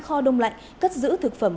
kho đông lạnh cất giữ thực phẩm